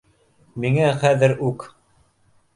Миңә хәҙер үк